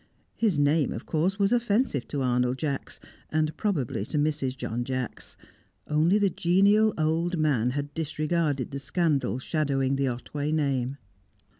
His name, of course, was offensive to Arnold Jacks, and probably to Mrs. John Jacks; only the genial old man had disregarded the scandal shadowing the Otway name.